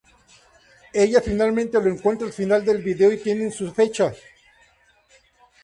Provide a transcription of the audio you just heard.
Ella finalmente lo encuentra al final del video y tienen su fecha.